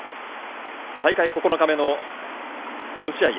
大会９日目の４試合。